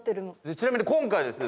ちなみに今回ですね